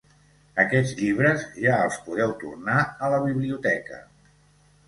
Aquests llibres, ja els podeu tornar a la biblioteca.